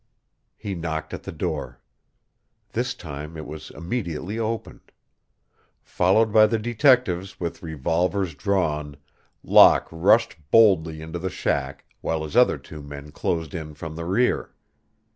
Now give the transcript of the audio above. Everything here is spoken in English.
He knocked at the door. This time it was immediately opened. Followed by the detectives with revolvers drawn, Locke rushed boldly into the shack, while his other two men closed in from the rear.